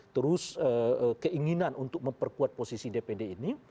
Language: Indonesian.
terus keinginan untuk memperkuat posisi dpd ini